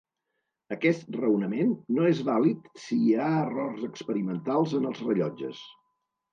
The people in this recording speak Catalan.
Aquest raonament no és vàlid si hi ha errors experimentals en els rellotges.